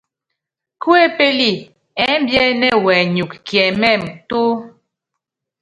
Kuépéli ɛ́mbiɛ́nɛ́ wɛnyɔk kiɛmɛ́m túu.